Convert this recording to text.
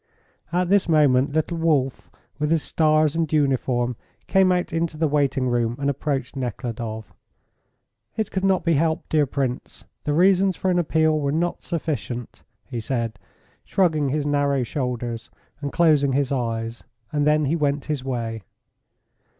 At this moment little Wolf, with his stars and uniform, came out into the waiting room and approached Nekhludoff. "It could not be helped, dear Prince. The reasons for an appeal were not sufficient," he said, shrugging his narrow shoulders and closing his eyes, and then he went his way.